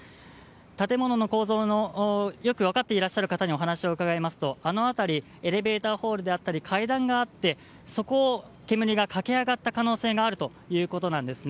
建物の構造をよく分かっていらっしゃる方にお話を伺いますとあの辺りエレベーターホールであったり階段があってそこを煙が駆け上がった可能性があるということなんです。